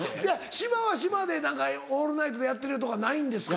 島は島で何かオールナイトでやってるとかないんですか？